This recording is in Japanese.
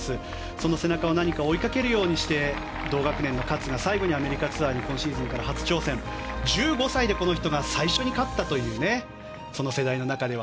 その背中を何か追いかけるようにして同学年の勝が最後にアメリカツアーに今シーズンから初挑戦１５歳でこの人が最初に勝ったというその世代の中では。